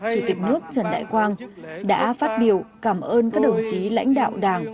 chủ tịch nước trần đại quang đã phát biểu cảm ơn các đồng chí lãnh đạo đảng